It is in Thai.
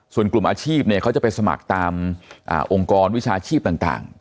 ส่วนกลุ่มอาชีพเขาจะไปสมัครตามองค์กรวิชาชีพต่าง